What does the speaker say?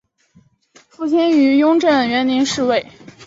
傅清于雍正元年授蓝翎侍卫。